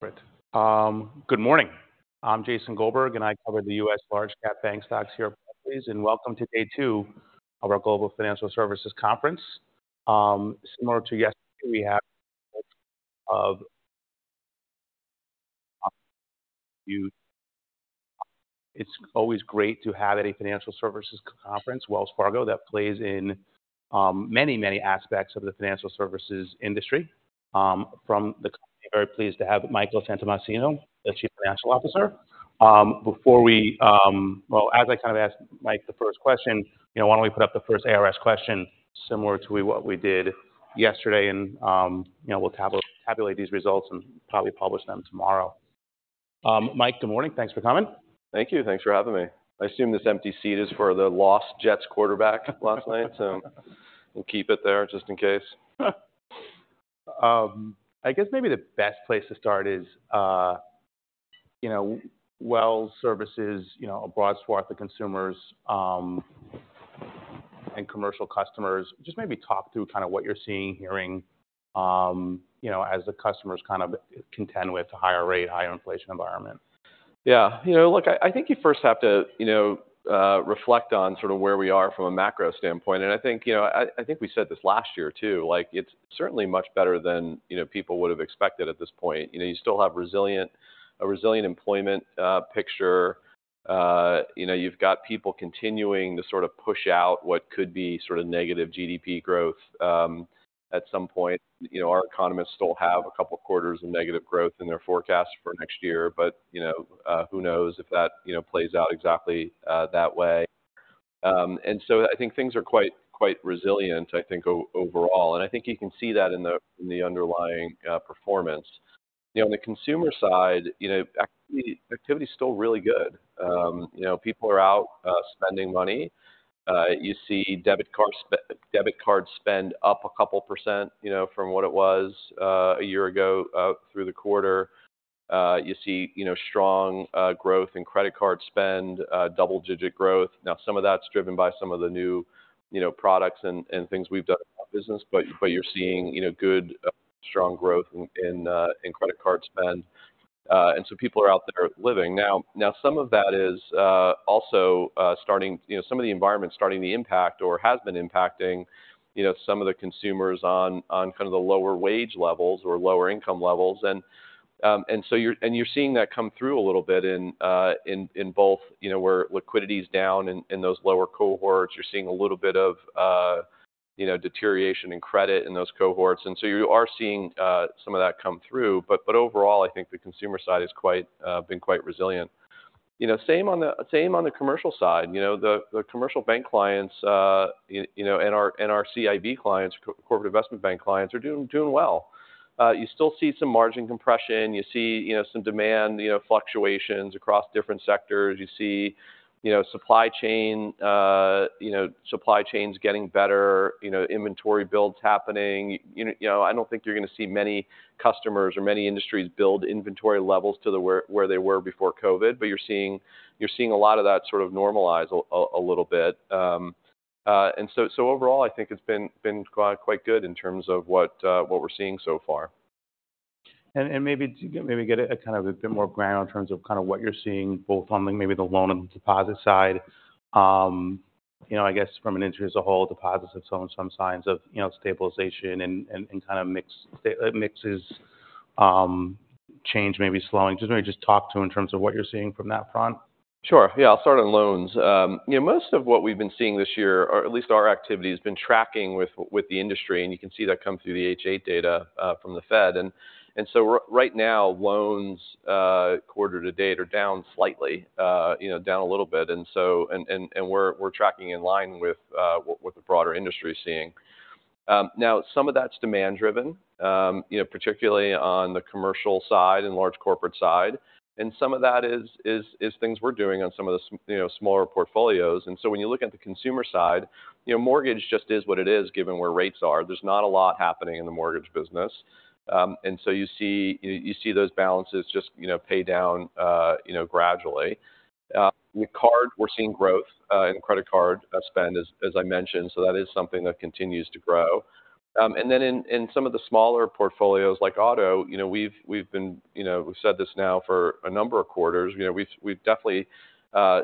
Great. Good morning. I'm Jason Goldberg, and I cover the U.S. large-cap bank stocks here at Barclays, and welcome to day two of our Global Financial Services Conference. Similar to yesterday, we have of you. It's always great to have at a financial services conference, Wells Fargo, that plays in many, many aspects of the financial services industry. From the company, very pleased to have Michael Santomassimo, the Chief Financial Officer. Before we, well, as I kind of ask Mike the first question, you know, why don't we put up the first ARS question similar to what we did yesterday? And, you know, we'll tabulate these results and probably publish them tomorrow. Mike, good morning. Thanks for coming. Thank you. Thanks for having me. I assume this empty seat is for the lost Jets quarterback last night, so we'll keep it there just in case. I guess maybe the best place to start is, you know, Wells services, you know, a broad swath of consumers, and commercial customers. Just maybe talk through kind of what you're seeing, hearing, you know, as the customers kind of contend with the higher rate, higher inflation environment. Yeah. You know, look, I think you first have to, you know, reflect on sort of where we are from a macro standpoint. And I think, you know, I think we said this last year, too, like, it's certainly much better than, you know, people would have expected at this point. You know, you still have resilient—a resilient employment picture. You know, you've got people continuing to sort of push out what could be sort of negative GDP growth at some point. You know, our economists still have a couple quarters of negative growth in their forecast for next year, but, you know, who knows if that, you know, plays out exactly that way. And so I think things are quite resilient, I think, overall, and I think you can see that in the underlying performance. You know, on the consumer side, you know, activity is still really good. You know, people are out spending money. You see debit card spend up 2%, you know, from what it was a year ago through the quarter. You see strong growth in credit card spend, double-digit growth. Now, some of that's driven by some of the new products and things we've done in our business, but you're seeing good strong growth in credit card spend, and so people are out there living. Now, some of that is also starting... You know, some of the environment is starting to impact or has been impacting, you know, some of the consumers on, on kind of the lower wage levels or lower income levels. And so you're seeing that come through a little bit in, in both, you know, where liquidity is down in those lower cohorts. You're seeing a little bit of, you know, deterioration in credit in those cohorts, and so you are seeing some of that come through. But overall, I think the consumer side is quite, been quite resilient. You know, same on the commercial side. You know, the commercial bank clients, you know, and our, and our CIB clients, Corporate Investment Bank clients, are doing well. You still see some margin compression. You see, you know, some demand, you know, fluctuations across different sectors. You see, you know, supply chain, you know, supply chains getting better, you know, inventory builds happening. You know, I don't think you're going to see many customers or many industries build inventory levels to the where, where they were before COVID, but you're seeing, you're seeing a lot of that sort of normalize a little bit. And so overall, I think it's been quite good in terms of what, what we're seeing so far. Maybe get a kind of a bit more ground in terms of kind of what you're seeing, both on the loan and deposit side. You know, I guess from an industry as a whole, deposits have shown some signs of, you know, stabilization and kind of mix, mixes, change maybe slowing. Just talk to in terms of what you're seeing from that front. Sure. Yeah, I'll start on loans. You know, most of what we've been seeing this year, or at least our activity, has been tracking with the industry, and you can see that come through the H.8 data from the Fed. And so right now, loans quarter to date are down slightly, you know, down a little bit, and so we're tracking in line with what the broader industry is seeing. Now, some of that's demand driven, you know, particularly on the commercial side and large corporate side, and some of that is things we're doing on some of the smaller portfolios. So when you look at the consumer side, you know, mortgage just is what it is, given where rates are. There's not a lot happening in the mortgage business. So you see those balances just, you know, pay down, you know, gradually. With card, we're seeing growth in credit card spend, as I mentioned, so that is something that continues to grow. And then in some of the smaller portfolios, like auto, you know, we've said this now for a number of quarters, you know, we've definitely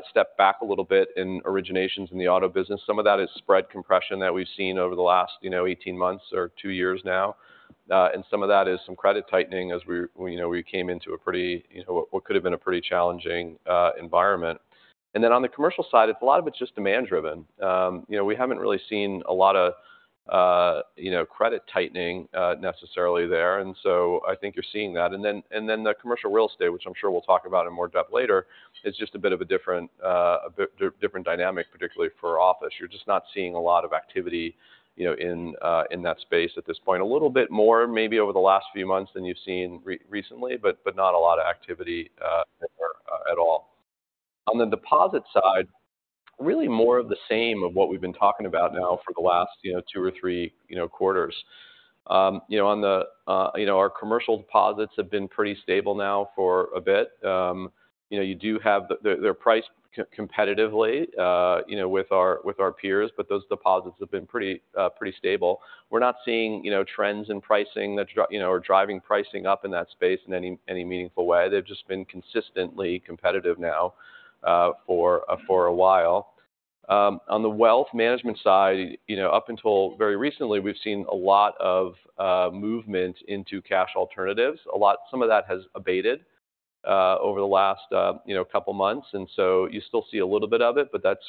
stepped back a little bit in originations in the auto business. Some of that is spread compression that we've seen over the last, you know, 18 months or 2 years now, and some of that is some credit tightening as we, you know, came into a pretty, you know, what could have been a pretty challenging environment. And then on the commercial side, a lot of it's just demand driven. You know, we haven't really seen a lot of, you know, credit tightening, necessarily there, and so I think you're seeing that. And then the commercial real estate, which I'm sure we'll talk about in more depth later, is just a bit of a different, a bit different dynamic, particularly for office. You're just not seeing a lot of activity, you know, in that space at this point. A little bit more, maybe over the last few months than you've seen recently, but not a lot of activity, there, at all. On the deposit side, really more of the same of what we've been talking about now for the last, you know, two or three, you know, quarters. You know, on the, you know, our commercial deposits have been pretty stable now for a bit. You know, you do have. They're priced competitively, you know, with our peers, but those deposits have been pretty stable. We're not seeing, you know, trends in pricing that are driving pricing up in that space in any meaningful way. They've just been consistently competitive now, for a while. On the wealth management side, you know, up until very recently, we've seen a lot of movement into cash alternatives. Some of that has abated over the last couple of months, and so you still see a little bit of it, but that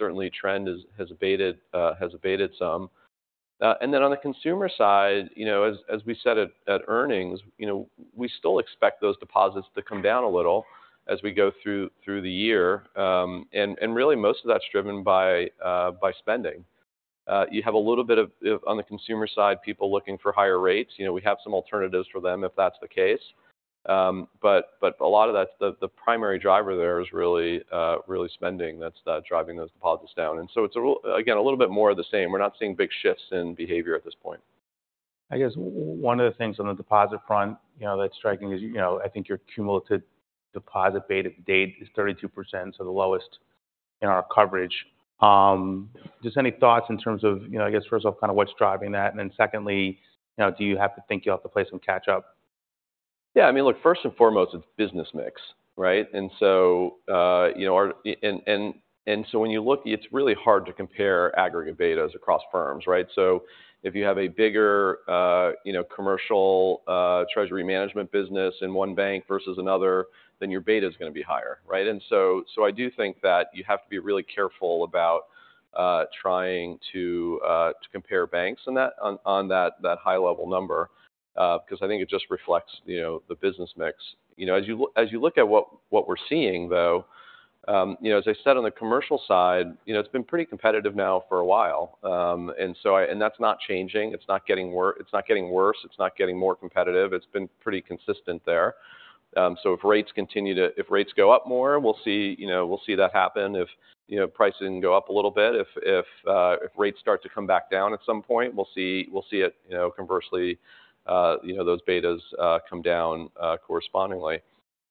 trend has abated some. And then on the consumer side, you know, as we said at earnings, you know, we still expect those deposits to come down a little as we go through the year. And really most of that's driven by spending. You have a little bit of on the consumer side, people looking for higher rates. You know, we have some alternatives for them if that's the case. But a lot of that, the primary driver there is really really spending that's driving those deposits down. And so it's again, a little bit more of the same. We're not seeing big shifts in behavior at this point. I guess one of the things on the deposit front, you know, that's striking is, you know, I think your cumulative deposit beta to date is 32%, so the lowest in our coverage. Just any thoughts in terms of, you know, I guess, first off, kind of what's driving that, and then secondly, you know, do you have to think you have to play some catch up? Yeah, I mean, look, first and foremost, it's business mix, right? And so, you know, our-- and, and, and so when you look, it's really hard to compare aggregate betas across firms, right? So if you have a bigger, you know, commercial, treasury management business in one bank versus another, then your beta is going to be higher, right? And so, so I do think that you have to be really careful about, trying to, to compare banks on that, on, on that, that high-level number, because I think it just reflects, you know, the business mix. You know, as you look at what we're seeing, though, you know, as I said on the commercial side, you know, it's been pretty competitive now for a while. And so I-- and that's not changing. It's not getting worse, it's not getting more competitive. It's been pretty consistent there. So if rates continue to go up more, we'll see, you know, we'll see that happen. If, you know, pricing go up a little bit, if rates start to come back down at some point, we'll see, we'll see it, you know, conversely, you know, those betas come down correspondingly.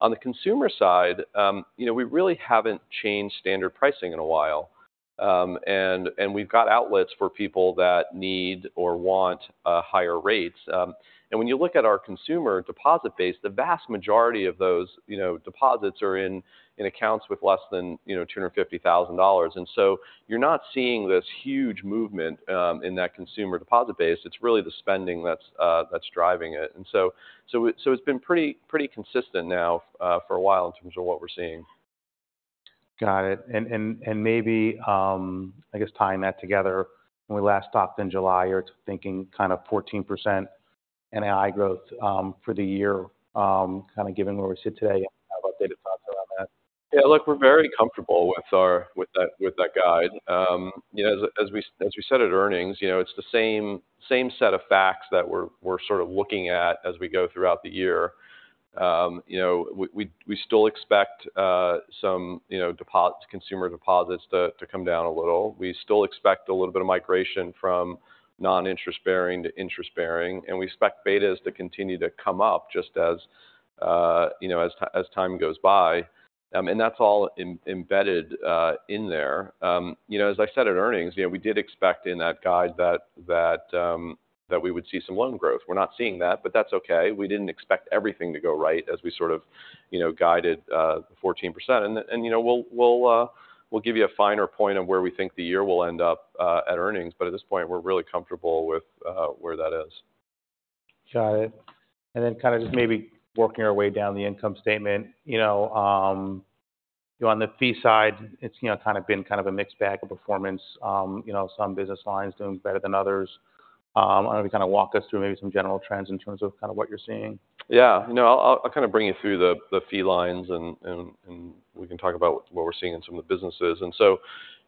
On the consumer side, you know, we really haven't changed standard pricing in a while. And we've got outlets for people that need or want higher rates. And when you look at our consumer deposit base, the vast majority of those, you know, deposits are in accounts with less than $250,000. And so you're not seeing this huge movement in that consumer deposit base. It's really the spending that's driving it. And so it's been pretty consistent now for a while in terms of what we're seeing. Got it. And maybe, I guess, tying that together, when we last talked in July, you're thinking kind of 14% NII growth, for the year. Kind of given where we sit today, have updated thoughts around that? Yeah, look, we're very comfortable with that, with that guide. You know, as we said at earnings, you know, it's the same set of facts that we're sort of looking at as we go throughout the year. You know, we still expect some consumer deposits to come down a little. We still expect a little bit of migration from non-interest bearing to interest bearing, and we expect betas to continue to come up just as you know, as time goes by. And that's all embedded in there. You know, as I said at earnings, you know, we did expect in that guide that we would see some loan growth. We're not seeing that, but that's okay. We didn't expect everything to go right as we sort of, you know, guided 14%. And, you know, we'll give you a finer point on where we think the year will end up at earnings, but at this point, we're really comfortable with where that is. Got it. And then kind of just maybe working our way down the income statement. You know, on the fee side, it's, you know, kind of been kind of a mixed bag of performance, you know, some business lines doing better than others. I don't know, kind of walk us through maybe some general trends in terms of kind of what you're seeing. Yeah. You know, I'll kind of bring you through the fee lines and we can talk about what we're seeing in some of the businesses.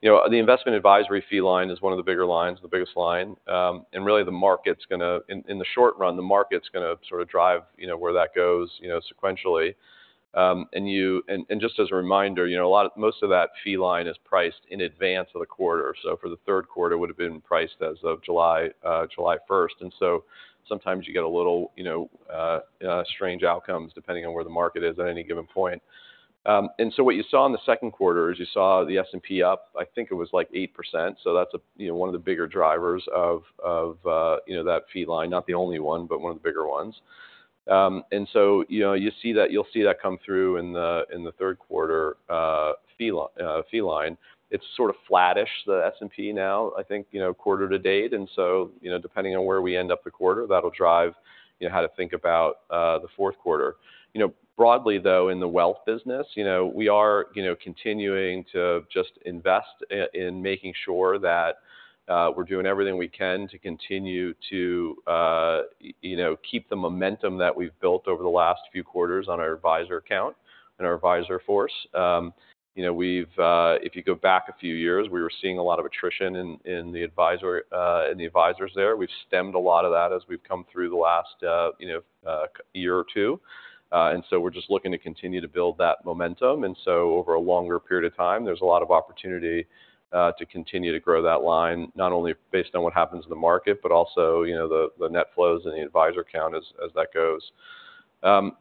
You know, the investment advisory fee line is one of the bigger lines, the biggest line. Really, in the short run, the market's gonna sort of drive, you know, where that goes, you know, sequentially. And just as a reminder, you know, most of that fee line is priced in advance of the quarter. So for the third quarter, it would have been priced as of July 1st. And so sometimes you get a little, you know, strange outcomes depending on where the market is at any given point. And so what you saw in the second quarter is you saw the S&P up, I think it was like 8%. So that's, you know, one of the bigger drivers of, of, you know, that fee line. Not the only one, but one of the bigger ones. And so, you know, you see that—you'll see that come through in the, in the third quarter, fee line. It's sort of flattish, the S&P now, I think, you know, quarter to date. And so, you know, depending on where we end up the quarter, that'll drive, you know, how to think about, the fourth quarter. You know, broadly, though, in the wealth business, you know, we are, you know, continuing to just invest in making sure that we're doing everything we can to continue to, you know, keep the momentum that we've built over the last few quarters on our advisor count and our advisor force. You know, we've... if you go back a few years, we were seeing a lot of attrition in the advisory in the advisors there. We've stemmed a lot of that as we've come through the last, you know, year or two. And so we're just looking to continue to build that momentum. And so over a longer period of time, there's a lot of opportunity to continue to grow that line, not only based on what happens in the market, but also, you know, the net flows and the advisor count as that goes.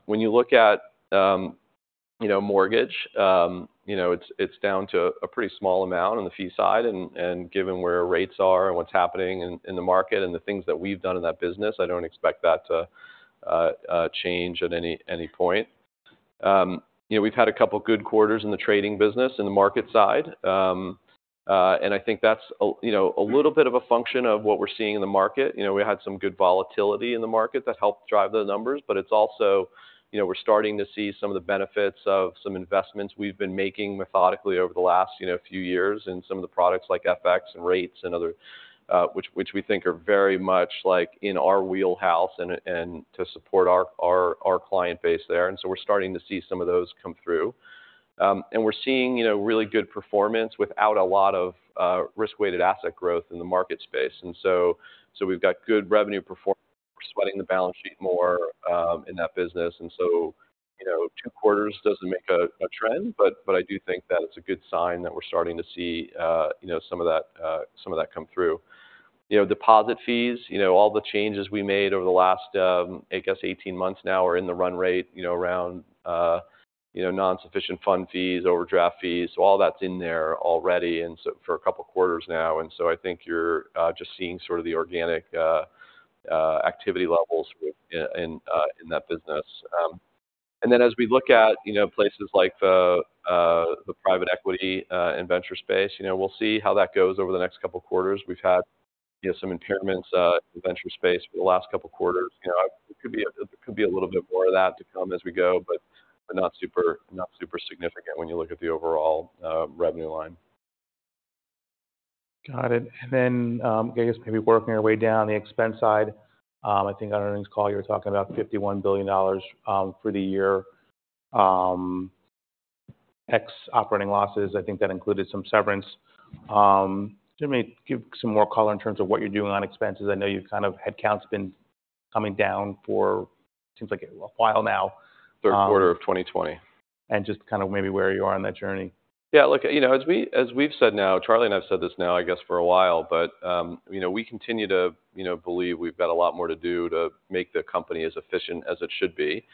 When you look at, you know, mortgage, you know, it's down to a pretty small amount on the fee side, and given where rates are and what's happening in the market and the things that we've done in that business, I don't expect that to change at any point. You know, we've had a couple good quarters in the trading business, in the market side, and I think that's a, you know, a little bit of a function of what we're seeing in the market. You know, we had some good volatility in the market that helped drive those numbers, but it's also, you know, we're starting to see some of the benefits of some investments we've been making methodically over the last, you know, few years in some of the products like FX and Rates and other, which we think are very much, like, in our wheelhouse and to support our client base there. And so we're starting to see some of those come through. And we're seeing, you know, really good performance without a lot of risk-weighted asset growth in the market space. And so we've got good revenue performance, we're sweating the balance sheet more in that business. And so, you know, 2 quarters doesn't make a trend, but I do think that it's a good sign that we're starting to see, you know, some of that, some of that come through. You know, deposit fees, you know, all the changes we made over the last, I guess 18 months now are in the run rate, you know, around, you know, non-sufficient fund fees, overdraft fees. So all that's in there already, and so for a couple of quarters now. And so I think you're just seeing sort of the organic activity levels within that business. And then as we look at, you know, places like the, the private equity, and venture space, you know, we'll see how that goes over the next couple of quarters. We've had, you know, some impairments in the venture space for the last couple of quarters. You know, it could be, it could be a little bit more of that to come as we go, but not super, not super significant when you look at the overall revenue line. Got it. And then, I guess maybe working our way down the expense side, I think on earnings call, you were talking about $51 billion for the year, ex operating losses. I think that included some severance. Just maybe give some more color in terms of what you're doing on expenses. I know you've kind of, headcount's been coming down for, seems like, a while now. Third quarter of 2020. Just kind of maybe where you are on that journey. Yeah, look, you know, as we've said now, Charlie and I have said this now, I guess, for a while, but, you know, we continue to, you know, believe we've got a lot more to do to make the company as efficient as it should be.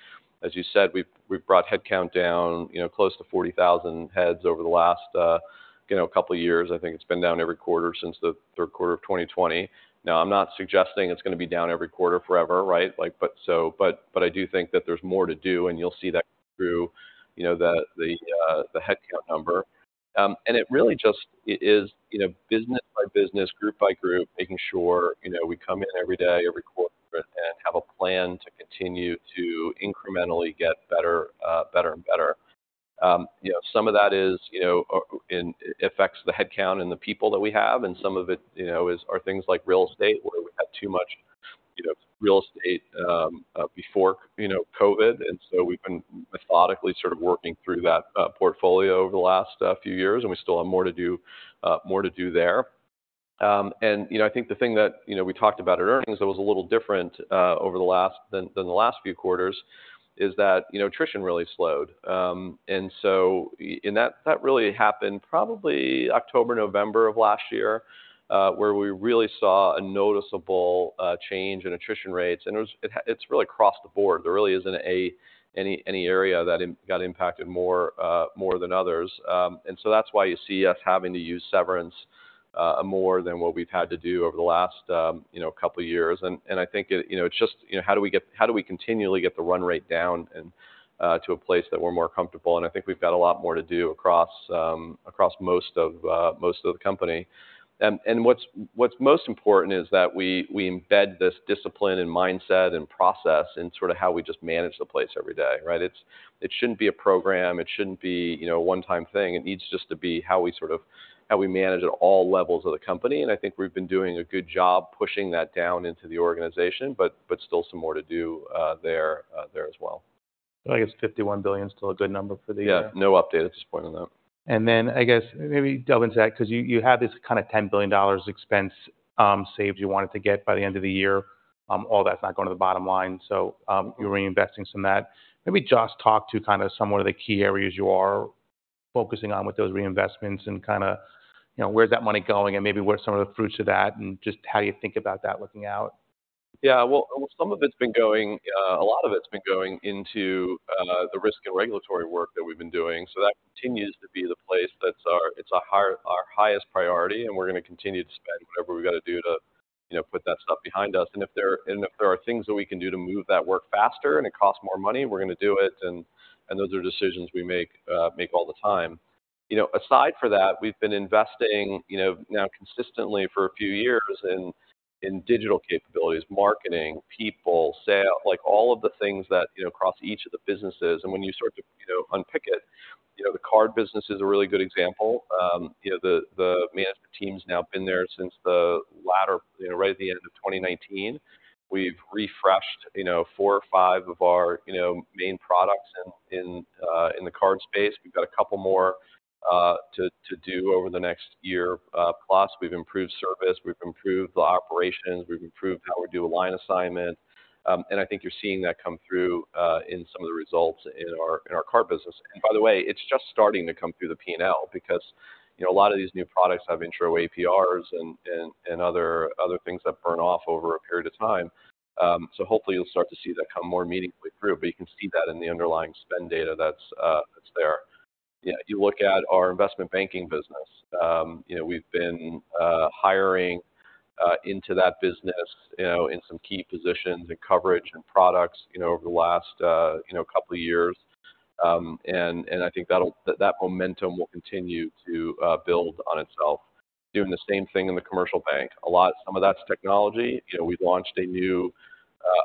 As you said, we've brought headcount down, you know, close to 40,000 heads over the last, you know, couple of years. I think it's been down every quarter since the third quarter of 2020. Now, I'm not suggesting it's going to be down every quarter forever, right? Like, but, but I do think that there's more to do, and you'll see that through, you know, the headcount number. And it really just, it is, you know, business by business, group by group, making sure, you know, we come in every day, every quarter, and have a plan to continue to incrementally get better, better and better. You know, some of that is, you know, and it affects the headcount and the people that we have, and some of it, you know, is, are things like real estate, where we had too much, you know, real estate, before, you know, COVID. And so we've been methodically sort of working through that, portfolio over the last, few years, and we still have more to do, more to do there. You know, I think the thing that, you know, we talked about at earnings that was a little different over the last few quarters is that, you know, attrition really slowed. And so that really happened probably October, November of last year, where we really saw a noticeable change in attrition rates. It was. It's really across the board. There really isn't any area that got impacted more than others. So that's why you see us having to use severance more than what we've had to do over the last, you know, couple of years. I think it, you know, it's just, you know, how do we continually get the run rate down and to a place that we're more comfortable? I think we've got a lot more to do across most of the company. What's most important is that we embed this discipline and mindset and process in sort of how we just manage the place every day, right? It's, it shouldn't be a program, it shouldn't be, you know, a one-time thing. It needs just to be how we sort of how we manage at all levels of the company, and I think we've been doing a good job pushing that down into the organization, but still some more to do there as well. I guess $51 billion is still a good number for the year? Yeah. No update at this point on that. Then, I guess maybe delve into that, because you had this kind of $10 billion expense saved you wanted to get by the end of the year. All that's not going to the bottom line, so you're reinvesting some of that. Maybe just talk to kind of some of the key areas you are focusing on with those reinvestments and kind of, you know, where's that money going? And maybe what are some of the fruits of that, and just how you think about that looking out. Yeah. Well, some of it's been going, a lot of it's been going into the risk and regulatory work that we've been doing. So that continues to be the place that's our—it's our high, our highest priority, and we're going to continue to spend whatever we've got to do to, you know, put that stuff behind us. And if there are things that we can do to move that work faster and it costs more money, we're going to do it, and those are decisions we make all the time. You know, aside for that, we've been investing, you know, now consistently for a few years in digital capabilities, marketing, people, sales, like, all of the things that, you know, cross each of the businesses. When you start to, you know, unpick it, you know, the card business is a really good example. You know, the management team's now been there since the latter, you know, right at the end of 2019. We've refreshed, you know, 4 or 5 of our, you know, main products in the card space. We've got a couple more to do over the next year. Plus, we've improved service, we've improved the operations, we've improved how we do line assignment. And I think you're seeing that come through in some of the results in our card business. And by the way, it's just starting to come through the P&L because, you know, a lot of these new products have intro APRs and other things that burn off over a period of time. So hopefully, you'll start to see that come more meaningfully through, but you can see that in the underlying spend data. That's there. Yeah, if you look at our investment banking business, you know, we've been hiring into that business, you know, in some key positions and coverage and products, you know, over the last, you know, couple of years. And I think that'll—that momentum will continue to build on itself. Doing the same thing in the commercial bank. Some of that's technology. You know, we've launched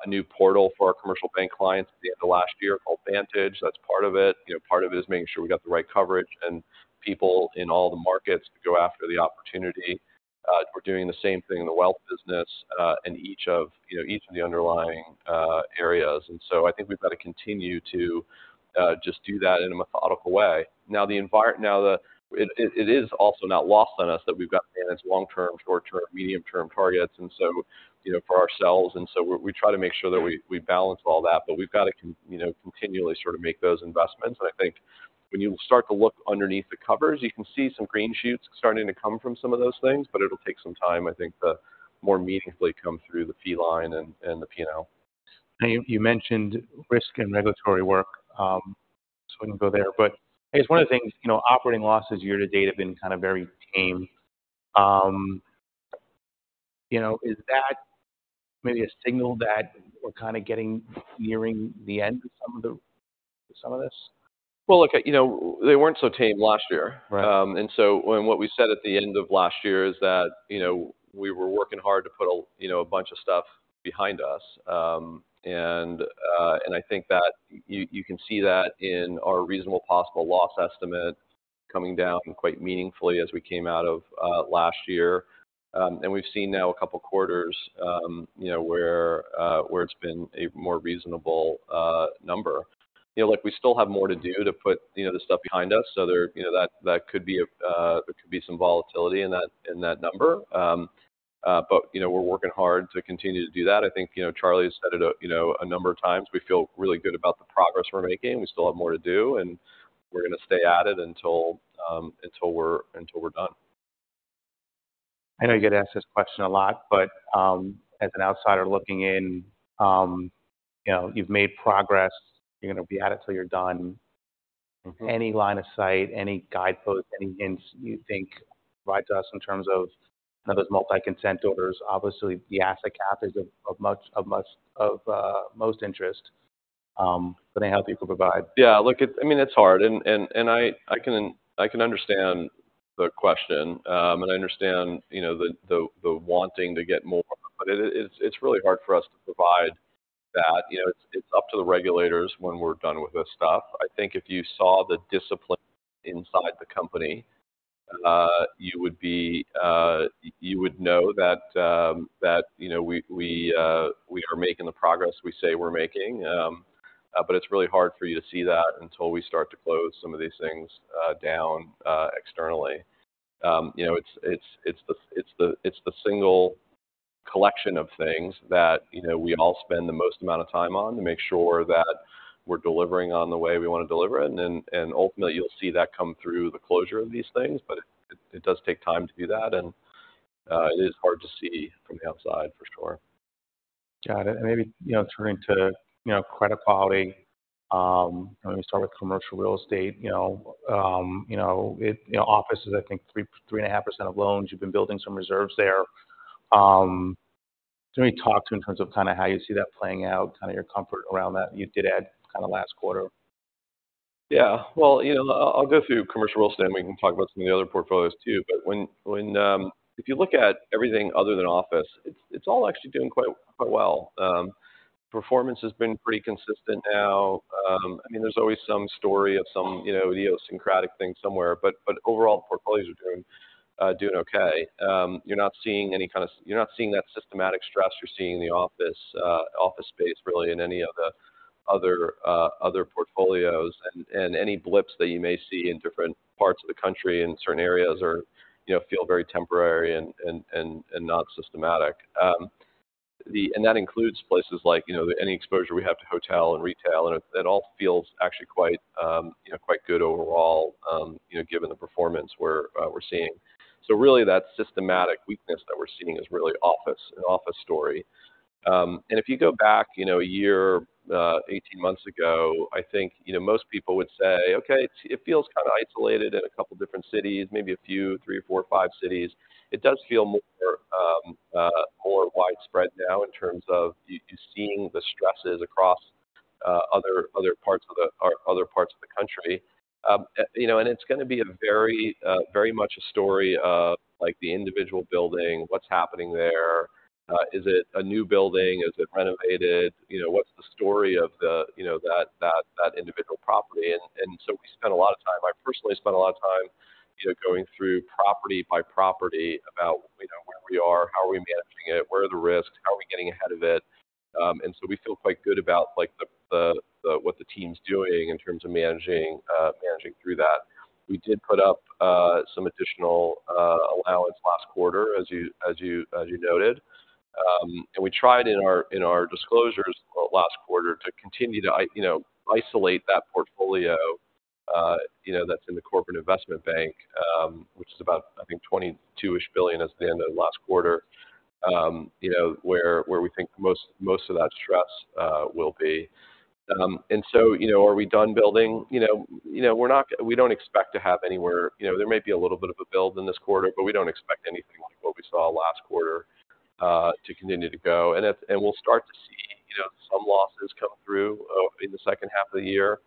a new portal for our commercial bank clients at the end of last year called Vantage. That's part of it. You know, part of it is making sure we got the right coverage and people in all the markets to go after the opportunity. We're doing the same thing in the wealth business, and each of, you know, each of the underlying areas. And so I think we've got to continue to just do that in a methodical way. It is also not lost on us that we've got to manage long-term, short-term, medium-term targets, and so, you know, for ourselves, and so we try to make sure that we balance all that, but we've got to, you know, continually sort of make those investments. And I think when you start to look underneath the covers, you can see some green shoots starting to come from some of those things, but it'll take some time, I think, to more meaningfully come through the fee line and the P&L. Now, you mentioned risk and regulatory work. So I wouldn't go there, but I guess one of the things, you know, operating losses year to date have been kind of very tame. You know, is that maybe a signal that we're kind of getting nearing the end of some of the, some of this? Well, look, you know, they weren't so tame last year. Right. And so what we said at the end of last year is that, you know, we were working hard to put a, you know, a bunch of stuff behind us. And I think that you can see that in our reasonably possible loss estimate coming down quite meaningfully as we came out of last year. And we've seen now a couple quarters, you know, where it's been a more reasonable number. You know, look, we still have more to do to put, you know, the stuff behind us. So there, you know, that could be a. There could be some volatility in that number. But, you know, we're working hard to continue to do that. I think, you know, Charlie has said it, you know, a number of times, we feel really good about the progress we're making. We still have more to do, and we're going to stay at it until we're done. I know you get asked this question a lot, but, as an outsider looking in, you know, you've made progress. You're going to be at it until you're done. Mm-hmm. Any line of sight, any guidepost, any hints you think provide to us in terms of those multiple consent orders? Obviously, the asset cap is of much most interest, but I know people provide. Yeah, look, I mean, it's hard, and I can understand the question, and I understand, you know, the wanting to get more, but it's really hard for us to provide that. You know, it's up to the regulators when we're done with this stuff. I think if you saw the discipline inside the company, you would be—you would know that, you know, we are making the progress we say we're making. But it's really hard for you to see that until we start to close some of these things down externally. You know, it's the single collection of things that, you know, we all spend the most amount of time on to make sure that we're delivering on the way we want to deliver it. And then, ultimately, you'll see that come through the closure of these things, but it does take time to do that, and it is hard to see from the outside, for sure. Got it. And maybe, you know, turning to, you know, credit quality, let me start with commercial real estate. You know, you know, it, you know, office is, I think, 3%-3.5% of loans. You've been building some reserves there. Can we talk to in terms of kind of how you see that playing out, kind of your comfort around that you did add kind of last quarter? Yeah. Well, you know, I'll go through commercial real estate, and we can talk about some of the other portfolios too. But when if you look at everything other than office, it's all actually doing quite well. Performance has been pretty consistent now. I mean, there's always some story of some, you know, idiosyncratic thing somewhere, but overall, portfolios are doing okay. You're not seeing that systematic stress you're seeing in the office space, really in any of the other portfolios. And any blips that you may see in different parts of the country, in certain areas are, you know, feel very temporary and not systematic. And that includes places like, you know, any exposure we have to hotel and retail, and it, it all feels actually quite, you know, quite good overall, you know, given the performance we're, we're seeing. So really, that systemic weakness that we're seeing is really office, an office story. And if you go back, you know, a year, 18 months ago, I think, you know, most people would say, "Okay, it, it feels kind of isolated in a couple different cities, maybe a few, 3, 4, 5 cities." It does feel more, more widespread now in terms of you, you seeing the stresses across, other, other parts of the country. You know, and it's going to be a very, very much a story of, like, the individual building, what's happening there. Is it a new building? Is it renovated? You know, what's the story of the, you know, that individual property? So we spend a lot of time—I personally spend a lot of time, you know, going through property by property about, you know, where we are, how are we managing it? Where are the risks? How are we getting ahead of it? So we feel quite good about like what the team's doing in terms of managing through that. We did put up some additional allowance last quarter, as you noted. And we tried in our, in our disclosures last quarter to continue to, you know, isolate that portfolio, you know, that's in the Corporate Investment Bank, which is about, I think, $22 billion at the end of last quarter, you know, where, where we think most, most of that stress will be. And so, you know, are we done building? You know, you know, we're not, we don't expect to have anywhere, you know, there might be a little bit of a build in this quarter, but we don't expect anything like what we saw last quarter to continue to go. And we'll start to see, you know, some losses come through in the second half of the year.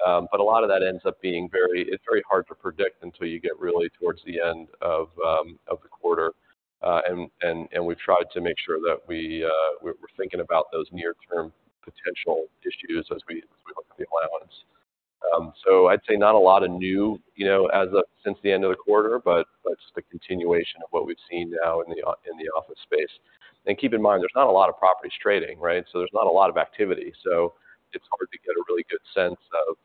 But a lot of that ends up being very. It's very hard to predict until you get really towards the end of the quarter. And we've tried to make sure that we're thinking about those near-term potential issues as we look at the allowance. So I'd say not a lot of new, you know, as of since the end of the quarter, but just a continuation of what we've seen now in the office space. And keep in mind, there's not a lot of properties trading, right? So there's not a lot of activity. So it's hard to get a really good sense of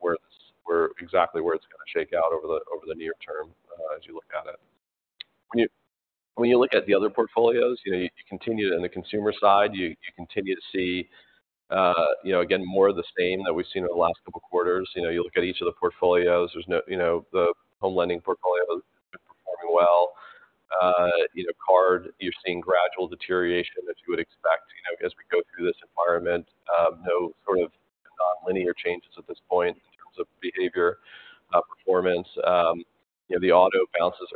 where exactly it's going to shake out over the near term, as you look at it. When you look at the other portfolios, you know, you continue to. In the consumer side, you continue to see, you know, again, more of the same that we've seen over the last couple of quarters. You know, you look at each of the portfolios, there's no, you know, the home lending portfolio is performing well. You know, card, you're seeing gradual deterioration that you would expect, you know, as we go through this environment. No sort of non-linear changes at this point in terms of behavior, performance. You know, the auto bounces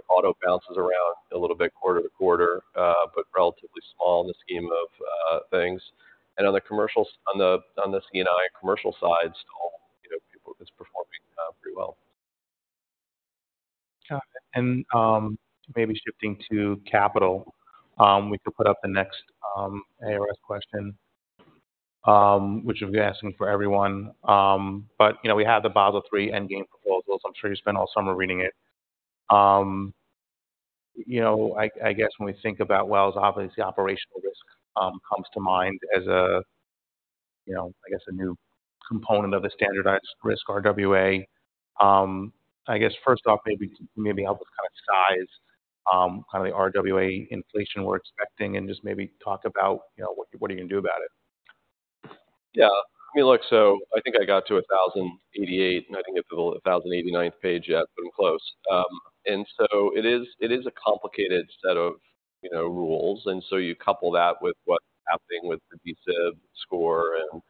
around a little bit quarter to quarter, but relatively small in the scheme of things. And on the commercial, on the C&I commercial side, still, you know, it's performing pretty well. Got it. And maybe shifting to capital, we could put up the next ARS question, which I'll be asking for everyone. But you know, we have the Basel III Endgame proposals. I'm sure you spent all summer reading it. You know, I guess when we think about Wells, obviously, operational risk comes to mind as a, you know, I guess, a new component of a standardized risk RWA. I guess, first off, maybe help us kind of size kind of the RWA inflation we're expecting, and just maybe talk about, you know, what, what are you going to do about it? Yeah. I mean, look, so I think I got to 1,088, and I think at the 1,089th page yet, but I'm close. And so it is, it is a complicated set of, you know, rules, and so you couple that with what's happening with the G-SIB score and,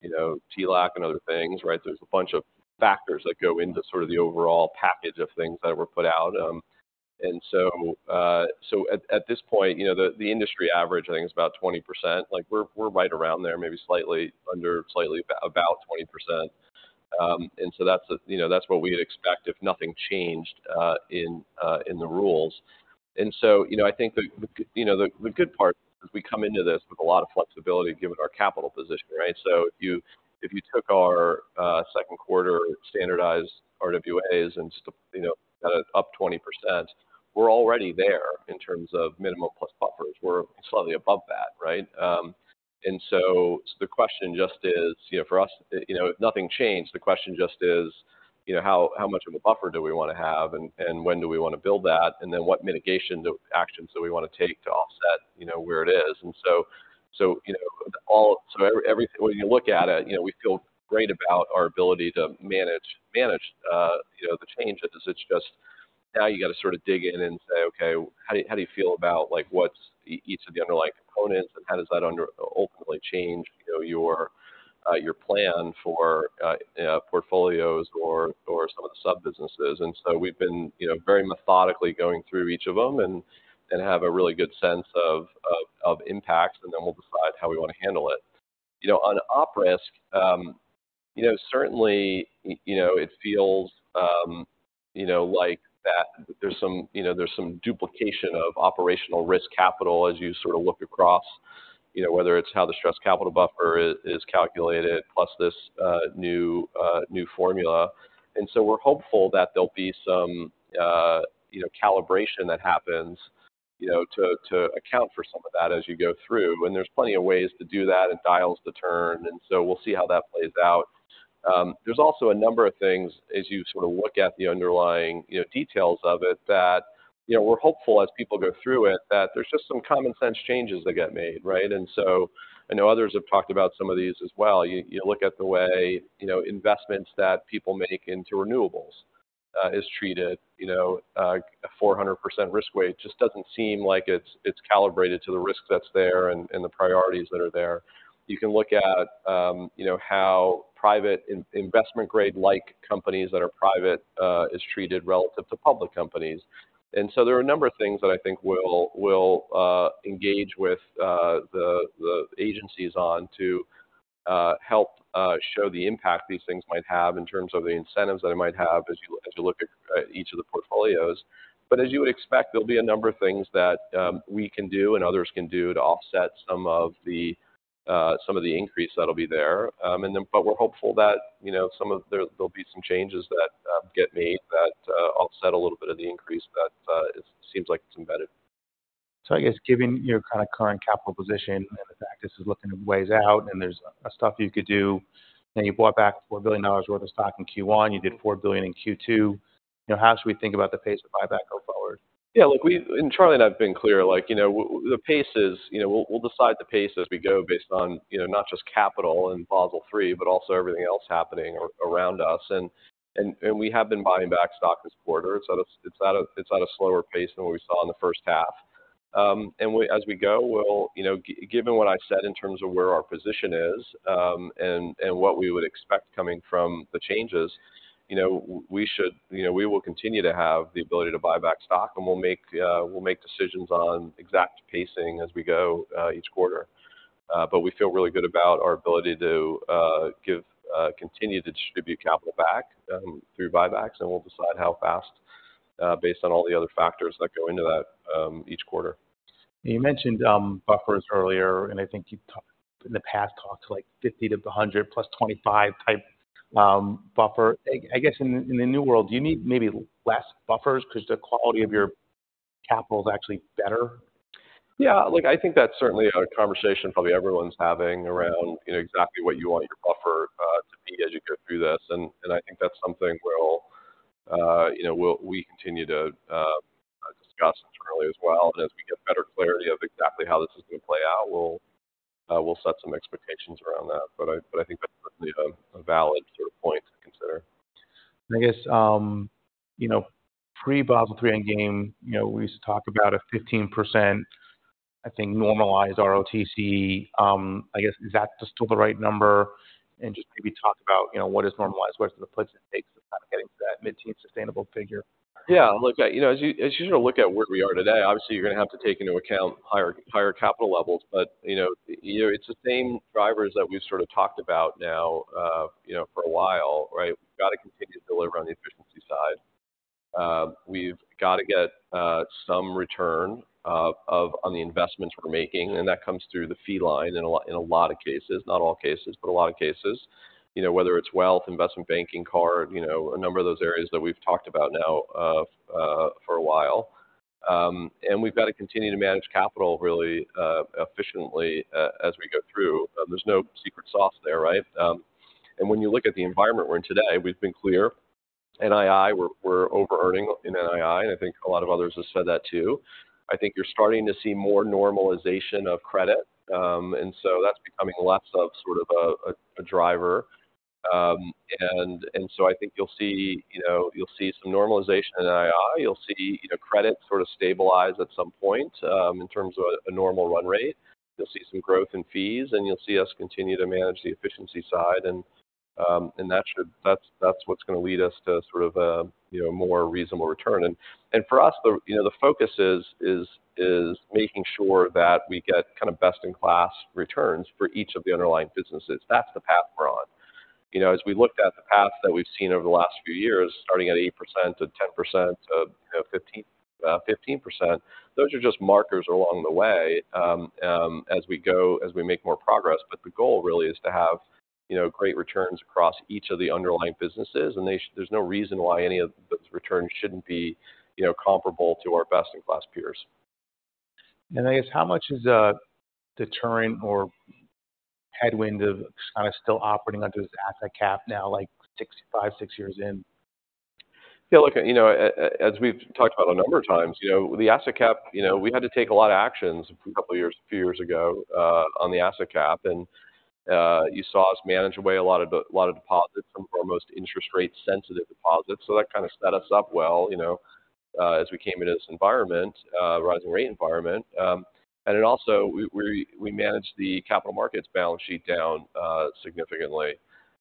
you know, TLAC and other things, right? There's a bunch of factors that go into sort of the overall package of things that were put out. And so, so at, at this point, you know, the, the industry average, I think, is about 20%. Like, we're, we're right around there, maybe slightly under, slightly about 20%. And so that's, you know, that's what we'd expect if nothing changed, in, in the rules. So, you know, I think the good part is we come into this with a lot of flexibility, given our capital position, right? So if you took our second quarter standardized RWAs, you know, up 20%, we're already there in terms of minimum plus buffers. We're slightly above that, right? So the question just is, you know, for us, you know, nothing changed. The question just is, you know, how much of a buffer do we want to have? And when do we want to build that? And then what mitigation actions do we want to take to offset, you know, where it is? So, you know, so every, when you look at it, you know, we feel great about our ability to manage, you know, the changes. It's just now you got to sort of dig in and say, "Okay, how do you, how do you feel about, like, what's each of the underlying components, and how does that ultimately change, you know, your, your plan for, portfolios or, or some of the sub-businesses?" And so we've been, you know, very methodically going through each of them and have a really good sense of impacts, and then we'll decide how we want to handle it. You know, on op risk, you know, certainly, you know, it feels, you know, like that there's some, you know, there's some duplication of operational risk capital as you sort of look across, you know, whether it's how the stress capital buffer is calculated, plus this, new, new formula. So we're hopeful that there'll be some, you know, calibration that happens, you know, to account for some of that as you go through. There's plenty of ways to do that, and dials to turn, and so we'll see how that plays out. There's also a number of things as you sort of look at the underlying, you know, details of it, that, you know, we're hopeful as people go through it, that there's just some common sense changes that get made, right? And so I know others have talked about some of these as well. You look at the way, you know, investments that people make into renewables is treated, you know, a 400% risk weight just doesn't seem like it's calibrated to the risk that's there and the priorities that are there. You can look at, you know, how private investment grade like companies that are private is treated relative to public companies. And so there are a number of things that I think we'll engage with the agencies on to help show the impact these things might have in terms of the incentives they might have as you look at each of the portfolios. But as you would expect, there'll be a number of things that we can do and others can do to offset some of the increase that'll be there. But we're hopeful that, you know, some of the. There'll be some changes that get made that offset a little bit of the increase that it seems like it's embedded. So I guess given your kind of current capital position and the fact this is looking at ways out, and there's stuff you could do, and you bought back $4 billion worth of stock in Q1, you did $4 billion in Q2, you know, how should we think about the pace of buyback going forward? Yeah, look, we've and Charlie and I have been clear, like, you know, the pace is, you know, we'll, we'll decide the pace as we go based on, you know, not just capital and Basel III, but also everything else happening around us. And we have been buying back stock this quarter. It's at a slower pace than what we saw in the first half. And as we go, we'll, you know, given what I've said in terms of where our position is, and what we would expect coming from the changes, you know, we should, you know, we will continue to have the ability to buy back stock, and we'll make, we'll make decisions on exact pacing as we go, each quarter. But we feel really good about our ability to continue to distribute capital back through buybacks, and we'll decide how fast based on all the other factors that go into that each quarter. You mentioned buffers earlier, and I think you talked in the past like 50 - 100+ 25 type buffer. I guess in the new world, do you need maybe less buffers because the quality of your capital is actually better? Yeah, look, I think that's certainly a conversation probably everyone's having around, you know, exactly what you want your buffer to be as you go through this. And I think that's something we'll, you know, we'll—we continue to discuss internally as well. And as we get better clarity of exactly how this is going to play out, we'll set some expectations around that. But I think that's certainly a valid sort of point to consider. I guess, you know, pre-Basel III Endgame, you know, we used to talk about a 15%, I think, normalized ROTCE. I guess, is that still the right number? And just maybe talk about, you know, what is normalized, what's the puts and takes of kind of getting to that mid-teen sustainable figure. Yeah, look, you know, as you sort of look at where we are today, obviously, you're going to have to take into account higher capital levels. But, you know, it's the same drivers that we've sort of talked about now, you know, for a while, right? We've got to continue to deliver on the efficiency side. We've got to get some return on the investments we're making, and that comes through the fee line in a lot of cases. Not all cases, but a lot of cases. You know, whether it's wealth, investment banking, card, you know, a number of those areas that we've talked about now for a while. And we've got to continue to manage capital really efficiently as we go through. There's no secret sauce there, right? When you look at the environment we're in today, we've been clear. NII, we're overearning in NII, and I think a lot of others have said that, too. I think you're starting to see more normalization of credit, and so that's becoming less of sort of a driver. And so I think you'll see, you know, you'll see some normalization in NII. You'll see, you know, credit sort of stabilize at some point, in terms of a normal run rate. You'll see some growth in fees, and you'll see us continue to manage the efficiency side, and that should, that's what's going to lead us to sort of a, you know, more reasonable return. For us, you know, the focus is making sure that we get kind of best-in-class returns for each of the underlying businesses. That's the path we're on. You know, as we looked at the path that we've seen over the last few years, starting at 8%-10%, you know, 15, 15%, those are just markers along the way, as we go, as we make more progress. But the goal really is to have, you know, great returns across each of the underlying businesses, and there's no reason why any of those returns shouldn't be, you know, comparable to our best-in-class peers. I guess, how much is a deterrent or headwind of kind of still operating under this asset cap now, like 5, 6 years in? Yeah, look, you know, as we've talked about a number of times, you know, the asset cap, you know, we had to take a lot of actions a couple of years, few years ago, on the asset cap, and, you saw us manage away a lot of, a lot of deposits from our most interest rate-sensitive deposits. So that kind of set us up well, you know, as we came into this environment, rising rate environment. And it also we managed the capital markets balance sheet down, significantly.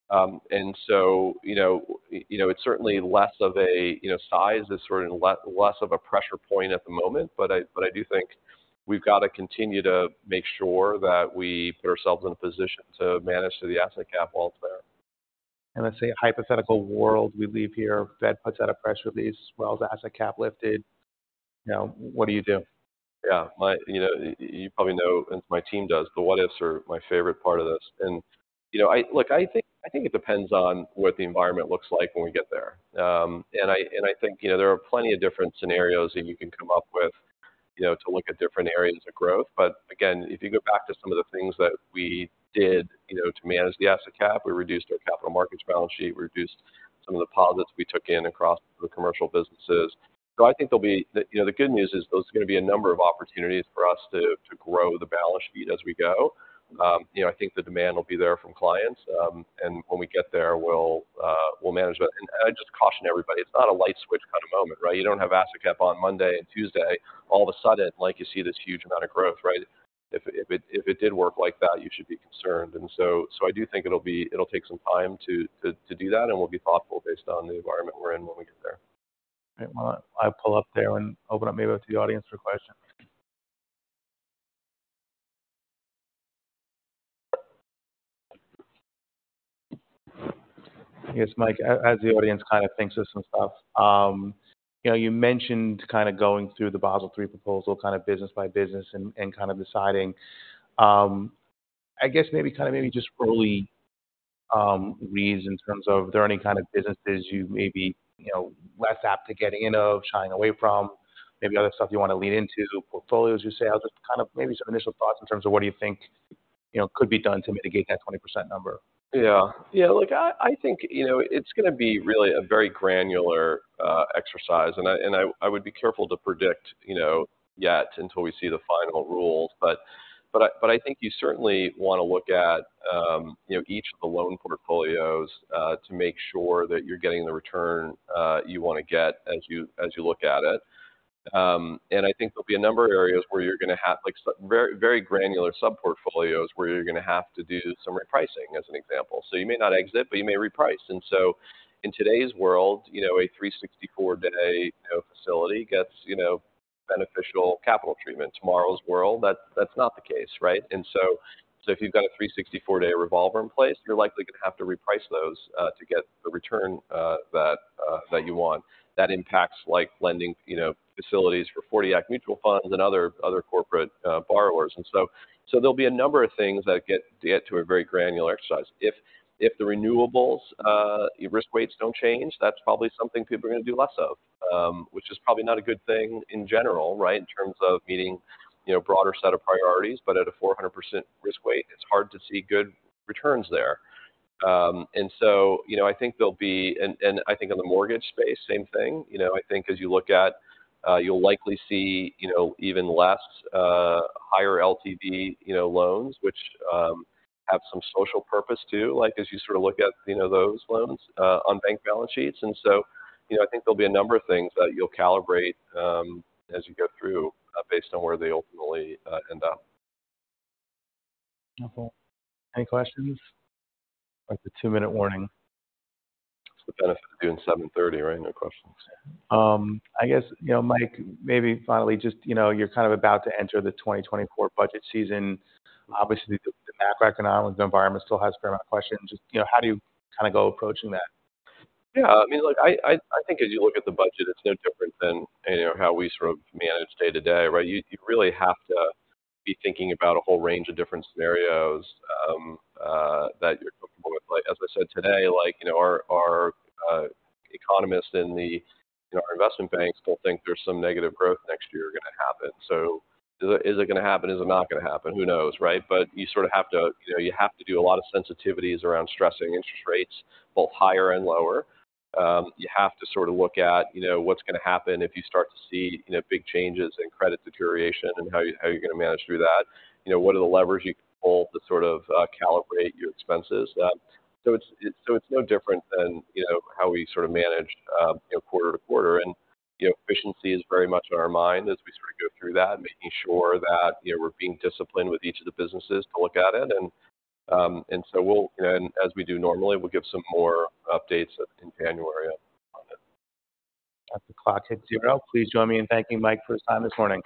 And so, you know, you know, it's certainly less of a, you know, size is sort of less of a pressure point at the moment, but I do think we've got to continue to make sure that we put ourselves in a position to manage through the asset cap while it's there. Let's say a hypothetical world we leave here, Fed puts out a press release as well as asset cap lifted. Now, what do you do? Yeah, you know, you probably know, and my team does, the what-ifs are my favorite part of this. And, you know, I... Look, I think, I think it depends on what the environment looks like when we get there. And I think, you know, there are plenty of different scenarios that you can come up with, you know, to look at different areas of growth. But again, if you go back to some of the things that we did, you know, to manage the asset cap, we reduced our capital markets balance sheet, we reduced some of the deposits we took in across the commercial businesses. So I think there'll be... You know, the good news is there's going to be a number of opportunities for us to, to grow the balance sheet as we go. You know, I think the demand will be there from clients, and when we get there, we'll manage that. I just caution everybody, it's not a light switch kind of moment, right? You don't have asset cap on Monday and Tuesday, all of a sudden, like, you see this huge amount of growth, right? If it did work like that, you should be concerned. So I do think it'll be. It'll take some time to do that, and we'll be thoughtful based on the environment we're in when we get there. Right. Well, I'll pull up there and open up maybe up to the audience for questions. Yes, Mike, as the audience kind of thinks of some stuff, you know, you mentioned kind of going through the Basel III proposal, kind of business by business, and kind of deciding, I guess maybe kind of maybe just early leads in terms of are there any kind of businesses you may be, you know, less apt to get in of, shying away from, maybe other stuff you want to lean into, portfolios you sell? Just kind of maybe some initial thoughts in terms of what do you think, you know, could be done to mitigate that 20% number? Yeah. Yeah, look, I think, you know, it's going to be really a very granular exercise, and I would be careful to predict, you know, yet until we see the final rules. But I think you certainly want to look at, you know, each of the loan portfolios to make sure that you're getting the return you want to get as you look at it. And I think there'll be a number of areas where you're gonna have, like, some very, very granular sub-portfolios, where you're gonna have to do some repricing, as an example. So you may not exit, but you may reprice. And so in today's world, you know, a 364-day, you know, facility gets, you know, beneficial capital treatment. Tomorrow's world, that, that's not the case, right? So if you've got a 364-day revolver in place, you're likely gonna have to reprice those to get the return that you want. That impacts, like, lending, you know, facilities for 40 Act mutual funds and other corporate borrowers. So there'll be a number of things that get to a very granular exercise. If the renewables risk weights don't change, that's probably something people are gonna do less of, which is probably not a good thing in general, right? In terms of meeting, you know, broader set of priorities, but at a 400% risk weight, it's hard to see good returns there. So, you know, I think there'll be, and I think in the mortgage space, same thing. You know, I think as you look at... You'll likely see, you know, even less higher LTV, you know, loans, which have some social purpose too. Like, as you sort of look at, you know, those loans on bank balance sheets. And so, you know, I think there'll be a number of things that you'll calibrate as you go through based on where they ultimately end up. Okay. Any questions? Like, the 2-minute warning. That's the benefit of doing 7:30, right? No questions. I guess, you know, Mike, maybe finally, just, you know, you're kind of about to enter the 2024 budget season. Obviously, the macroeconomic environment still has a fair amount of questions. Just, you know, how do you kind of go approaching that? Yeah, I mean, look, I think as you look at the budget, it's no different than, you know, how we sort of manage day-to-day, right? You really have to be thinking about a whole range of different scenarios that you're comfortable with. Like, as I said today, like, you know, our economists in the investment banks don't think there's some negative growth next year gonna happen. So is it gonna happen? Is it not gonna happen? Who knows, right? But you sort of have to... you know, you have to do a lot of sensitivities around stressing interest rates, both higher and lower. You have to sort of look at, you know, what's gonna happen if you start to see, you know, big changes in credit deterioration, and how you're gonna manage through that. You know, what are the levers you can pull to sort of calibrate your expenses? So it's, so it's no different than, you know, how we sort of manage, you know, quarter to quarter. And, you know, efficiency is very much on our mind as we sort of go through that, making sure that, you know, we're being disciplined with each of the businesses to look at it. And, and so we'll, and as we do normally, we'll give some more updates in January on it. As the clock hits zero, please join me in thanking Mike for his time this morning.